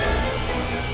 ya kita kembali ke sekolah